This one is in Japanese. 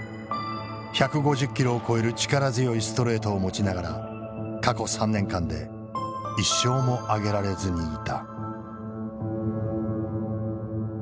１５０キロを超える力強いストレートを持ちながら過去３年間で一勝も挙げられずにいた。